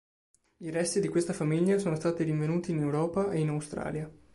I resti di questa famiglia sono stati rinvenuti in Europa e in Australia